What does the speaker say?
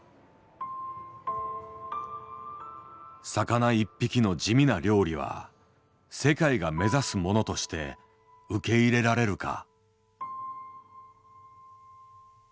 魚１匹の地味な料理は世界が目指すものとして受け入れられるか。